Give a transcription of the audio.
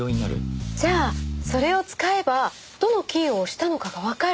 じゃあそれを使えばどのキーを押したのかがわかる。